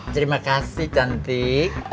terima kasih cantik